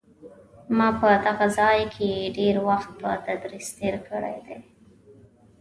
ما په دغه ځای کې ډېر وخت په تدریس تېر کړی دی.